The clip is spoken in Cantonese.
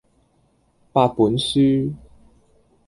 八本書